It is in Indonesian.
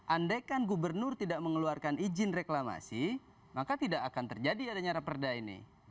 andaikan gubernur tidak mengeluarkan izin reklamasi maka tidak akan terjadi adanya raperda ini